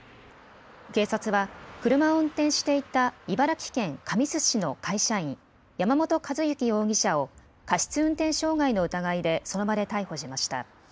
警察は車を運転していた茨城県神栖市の会社員、山本和之容疑者を過失運転傷害の疑いでその場で逮捕しました。